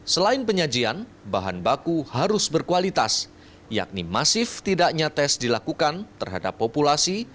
selain penyajian bahan baku harus berkualitas yakni masif tidaknya tes dilakukan terhadap populasi